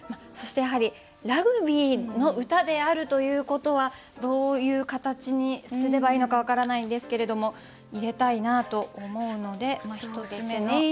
そしてやはりラグビーの歌であるということはどういう形にすればいいのか分からないんですけれども入れたいなと思うので１つ目の。